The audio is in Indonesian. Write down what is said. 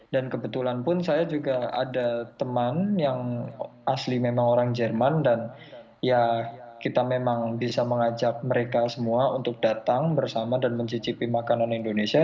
dan kebetulan pun saya juga ada teman yang asli memang orang jerman dan ya kita memang bisa mengajak mereka semua untuk datang bersama dan mencicipi makanan indonesia